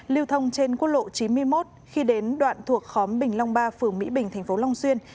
lưu thông trên quốc lộ chín mươi một khi đến đoạn thuộc khóm bình long ba phường mỹ bình tp long xuyên